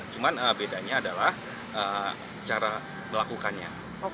cuman bedanya adalah cara melakukannya